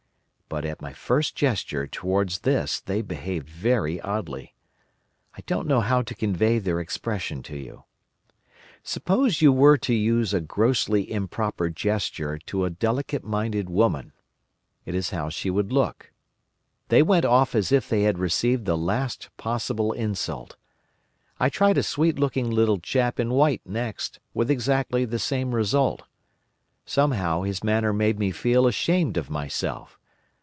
But at my first gesture towards this they behaved very oddly. I don't know how to convey their expression to you. Suppose you were to use a grossly improper gesture to a delicate minded woman—it is how she would look. They went off as if they had received the last possible insult. I tried a sweet looking little chap in white next, with exactly the same result. Somehow, his manner made me feel ashamed of myself.